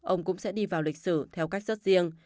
ông cũng sẽ đi vào lịch sử theo cách rất riêng